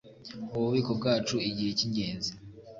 Ububiko bwacu Igihe cy ingenzi